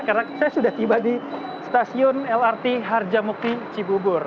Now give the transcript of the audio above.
karena saya sudah tiba di stasiun lrt harjamukhi cibubur